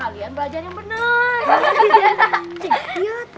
kalian belajar yang benar